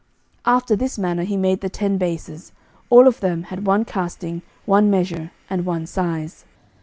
11:007:037 After this manner he made the ten bases: all of them had one casting, one measure, and one size.